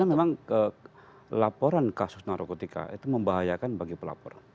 karena memang laporan kasus narokotika itu membahayakan bagi pelapor